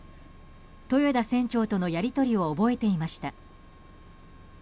豊田船長とのやり取りを覚えていました。